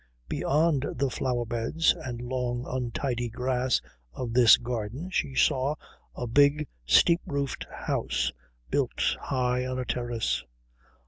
Beyond the flower beds and long untidy grass of this garden she saw a big steep roofed house built high on a terrace.